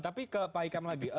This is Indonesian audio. tapi ke pak hikam lagi